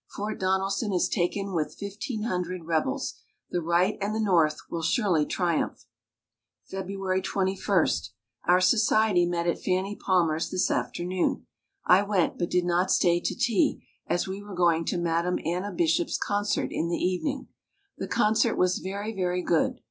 Fort Donelson is taken with 1,500 rebels. The right and the North will surely triumph! February 21. Our society met at Fanny Palmer's this afternoon. I went but did not stay to tea as we were going to Madame Anna Bishop's concert in the evening. The concert was very, very good.